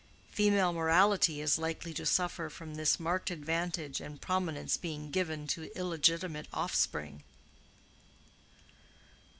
Female morality is likely to suffer from this marked advantage and prominence being given to illegitimate offspring."